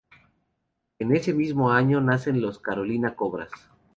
En ese mismo año nacen los Carolina Cobras.